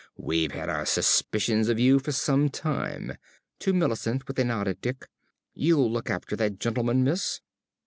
We've had our suspicions of you for some time. (To Millicent, with a nod at Dick). You'll look after that gentleman, miss?